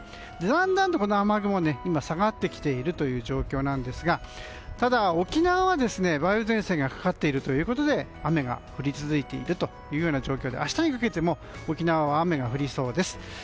だんだんと、この雨雲は今、下がってきている状況ですがただ、沖縄は梅雨前線がかかっているということで雨が降り続いているという状況で明日にかけても、沖縄は雨が降りそうです。